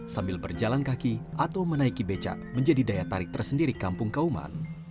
sambil berjalan kaki atau menaiki becak menjadi daya tarik tersendiri kampung kauman